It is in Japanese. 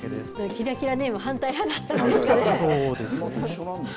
キラキラネーム反対派だったんですかね。